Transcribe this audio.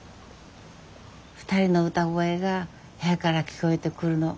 ２人の歌声が部屋から聞こえてくるの